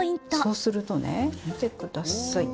そうするとね、見てください。